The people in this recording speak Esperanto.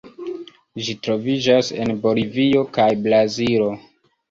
Ĝi troviĝas en Bolivio kaj Brazilo.